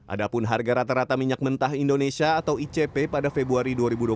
ada pun harga rata rata minyak mentah indonesia atau icp pada februari dua ribu dua puluh